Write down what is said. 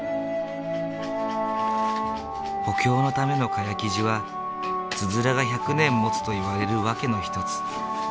補強のための蚊帳生地はつづらが１００年もつといわれる訳の一つ。